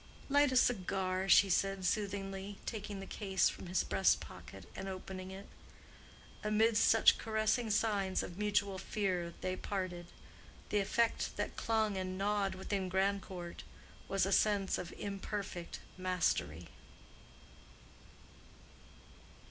"Light a cigar," she said, soothingly, taking the case from his breast pocket and opening it. Amidst such caressing signs of mutual fear they parted. The effect that clung and gnawed within Grandcourt was a sense of imperfect mastery.